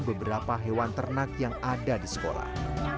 beberapa hewan ternak yang ada di sekolah